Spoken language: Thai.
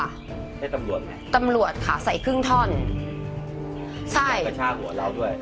ให้ตำรวจไหมตำรวจค่ะใส่ครึ่งท่อนใส่กระชากหัวเราด้วย